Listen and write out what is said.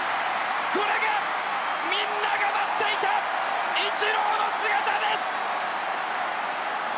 これが、みんなが待っていたイチローの姿です！